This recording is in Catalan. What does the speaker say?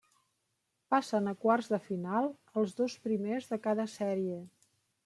Passen a quarts de final els dos primers de cada sèrie.